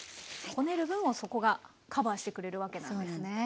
こねる分をそこがカバーしてくれるわけなんですね。